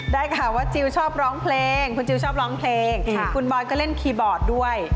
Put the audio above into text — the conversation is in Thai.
ได้ข่าวว่าจิลชอบร้องเพลงคุณจิลชอบร้องเพลงคุณบอยก็เล่นคีย์บอร์ดด้วย